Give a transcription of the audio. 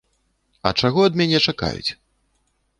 А чаго ад мяне чакаюць?